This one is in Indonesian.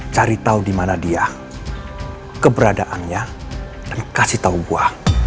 cari tau dimana dia keberadaannya dan kasih tau gua